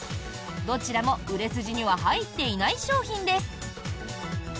どちらも売れ筋には入っていない商品です。